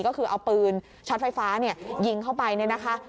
ก็คือเอาปืนช็อตไฟฟ้ายิงเข้าไปเนี่ยนะคะ